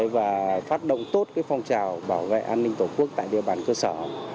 và phát động tốt phong trào bảo vệ an ninh tổ quốc tại địa bàn cơ sở